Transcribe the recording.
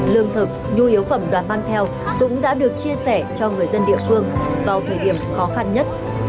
lương thực nhu yếu phẩm đoàn mang theo cũng đã được chia sẻ cho người dân địa phương vào thời điểm khó khăn nhất